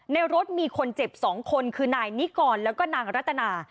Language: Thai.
ในรถมีคนเจ็บ๒คนคือนายนิกรแล้วก็นางรัตนา